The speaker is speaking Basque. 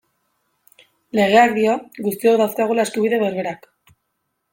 Legeak dio guztiok dauzkagula eskubide berberak.